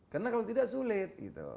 karena kalau tidak sulit